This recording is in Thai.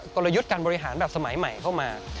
กลยุทธ์การบริหารแบบสมัยใหม่เข้ามา